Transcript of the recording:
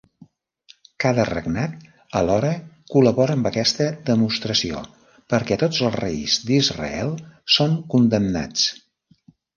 Cada regnat, alhora, col·labora amb aquesta demostració, perquè tots els reis d'Israel són condemnats.